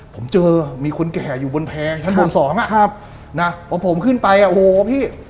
ผมเจอมีคนแก่อยู่บนแพรชั้นบนสองอ่ะครับนะพอผมขึ้นไปอ่ะโอ้โหพี่